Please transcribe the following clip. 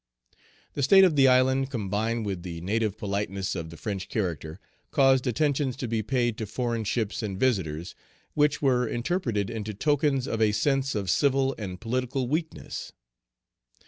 The state of the island, combined with the native politeness of the French character, caused attentions to be paid to Page 218 foreign ships and visitors, which were interpreted into tokens of a sense of civil and political weakness.